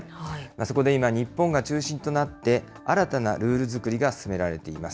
そこで今、日本が中心となって、新たなルール作りが進められています。